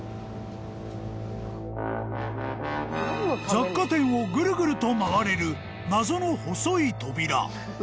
［雑貨店をぐるぐると回れる謎の細い扉］